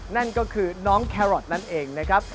นั่นก็คือน้องแครอทนั่นเองนะครับ